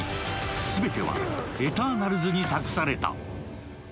全てはエターナルズに託された。